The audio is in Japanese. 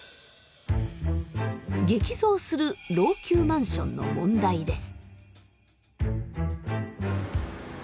激増する老朽マンションの問題です。